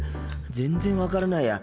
全然分からないや。